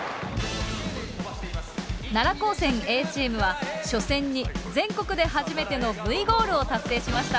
奈良高専Ａチームは初戦に全国で初めてのＶゴールを達成しました。